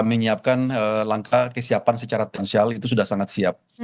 menyiapkan langkah kesiapan secara tensial itu sudah sangat siap